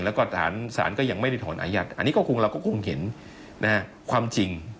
แล้วก็สารก็ยังไม่ได้ถอนอายัดอันนี้ก็คงเราก็คงเห็นความจริง